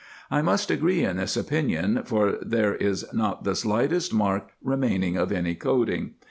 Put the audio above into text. I must agree in this opinion, for there is not the slightest mark remaining of any coating.